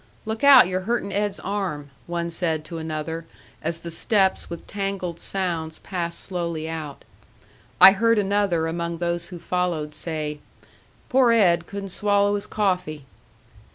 "Look out, you're hurting Ed's arm," one said to another, as the steps with tangled sounds passed slowly out. I heard another among those who followed say, "Poor Ed couldn't swallow his coffee."